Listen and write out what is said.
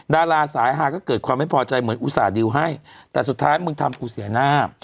ดาราสายฮาก็เกิดความไม่พอใจเหมือนอุตส่าหิวให้แต่สุดท้ายมึงทำกูเสียหน้า